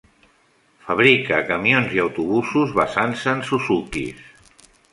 Fabrica camions i autobusos basant-se en Suzukis.